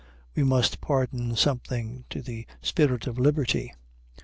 We must pardon something to the spirit of liberty.